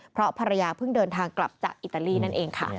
เพราะภรรยาเพิ่งเดินทางกลับจากอิตาลีนั่นเองค่ะ